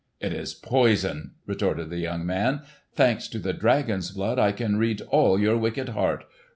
"It is poison," retorted the young man. "Thanks to the dragon's blood, I can read all your wicked heart!